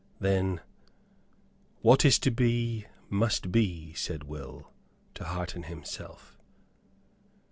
Then, "What is to be, must be," said Will, to hearten himself.